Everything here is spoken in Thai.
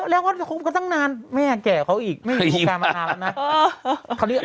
แล้วเขาก็ตั้งนานแม่แก่เขาอีกไม่อยู่กลุ่มการมานานแล้วนะ